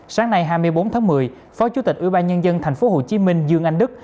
sáng nay hai mươi bốn tháng một mươi phó chủ tịch ủy ban nhân dân tp hcm dương anh đức